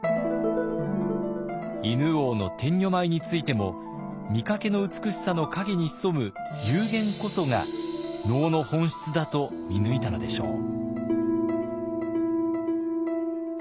犬王の天女舞についても見かけの美しさの陰に潜む幽玄こそが能の本質だと見抜いたのでしょう。